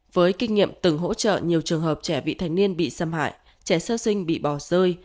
với kinh nghiệm từng hỗ trợ nhiều trường hợp trẻ vị thành niên bị xâm hại trẻ sơ sinh bị bỏ rơi